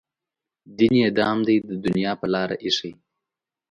دین یې دام دی د دنیا په لاره ایښی.